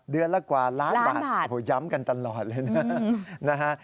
เดือนละกว่าล้านบาทโอ้โหย้ำกันตลอดเลยนะนะฮะ